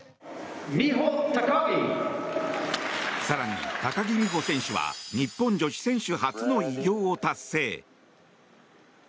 更に、高木美帆選手は日本女子選手初の偉業を達成。